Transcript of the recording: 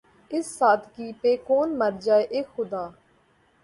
اس سادگی پہ کون مر جائے‘ اے خدا!